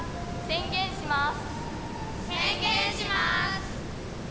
宣言します。